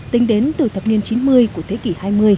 tính đến từ thập niên chín mươi của thế kỷ hai mươi